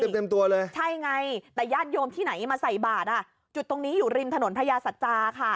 ใช่ไงใช่ไงแต่ญาติโยมที่ไหนมาใส่บาดน่ะจุดตรงนี้อยู่ริมถนนพญาสัจจาค่ะ